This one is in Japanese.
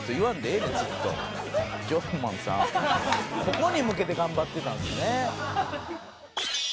ここに向けて頑張ってたんすね。